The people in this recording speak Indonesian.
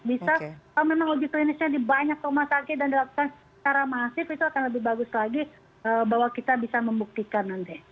bisa kalau memang uji klinisnya di banyak rumah sakit dan dilakukan secara masif itu akan lebih bagus lagi bahwa kita bisa membuktikan nanti